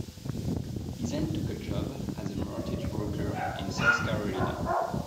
He then took a job as a mortgage broker in South Carolina.